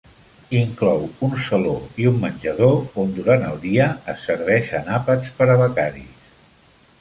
Inclou un saló i un menjador on durant el dia es serveixen àpats per a becaris.